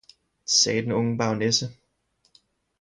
sagde den unge baronesse.